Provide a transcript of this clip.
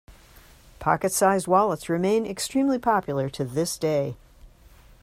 Pocket-sized wallets remain extremely popular to this day.